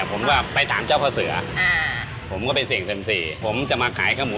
เพราะจะทำได้ไหม